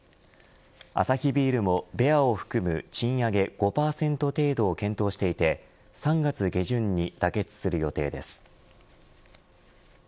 アサヒビールもベアも含む賃上げ５％程度を検討していて３月下旬に妥結する予定です。